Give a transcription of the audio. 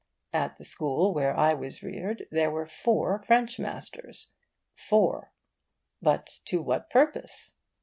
At the school where I was reared there were four French masters; four; but to what purpose?